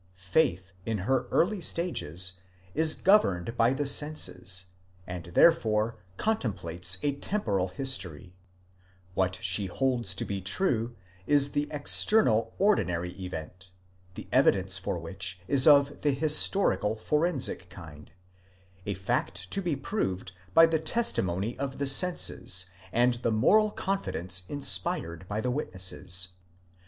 Faith, in her early stages, is governed by the senses, and therefore contemplates a temporal history ; what she holds to be true is the external, ordinary event, the evidence for which is of the historical, forensic kind—a fact to be proved by the testimony of the senses, and the moral confidence inspired by the witnesses.